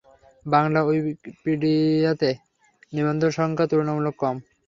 বাংলা উইকপিডিয়াতে নিবন্ধ সংখ্যা তুলনামূলক কম।